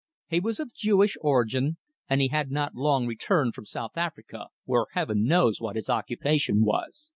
He was of Jewish origin, and he had not long returned from South Africa, where Heaven knows what his occupation was.